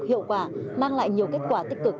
hiệu quả mang lại nhiều kết quả tích cực